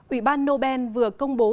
ủy ban nobel vừa công bố